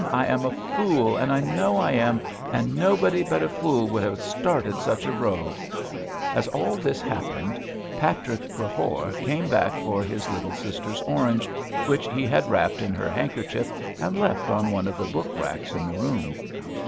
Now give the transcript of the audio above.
I am a fool, and I know I am, and nobody but a fool would have started such a row," as all this happened, Patrick Crehore came back for his little sister's orange which he had wrapped in her handkerchief and left on one of the book racks in the room.